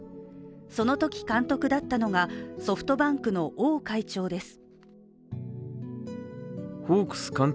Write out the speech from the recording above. そのとき監督だったのがソフトバンクの王会長です。